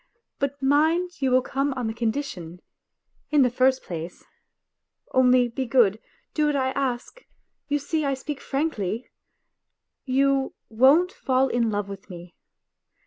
But mind you will come on the condition, in the first place (only be good, do what I ask you see, I speak frankly), you won't fall in love with me.